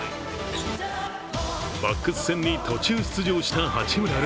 バックス戦に、途中出場した八村塁。